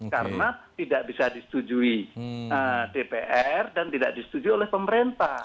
karena tidak bisa disetujui dpr dan tidak disetujui oleh pemerintah